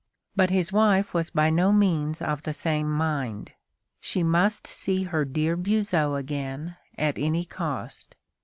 But his wife was by no means of the same mind. She must see her dear Buzot again at any cost.